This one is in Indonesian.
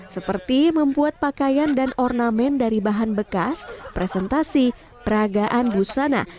seperti membuat pakaian dan ornamen dari bahan bekas presentasi peragaan busana